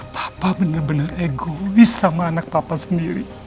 papa bener bener egois sama anak papa sendiri